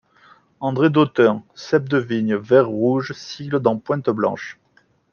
André d’Autun, cep de vigne vert rouge sigle dans pointe blanche.